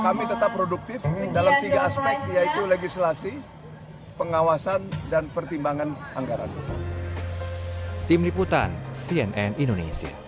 kami tetap produktif dalam tiga aspek yaitu legislasi pengawasan dan pertimbangan anggaran